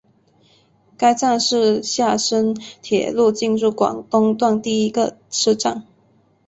该站是厦深铁路进入广东段第一个车站。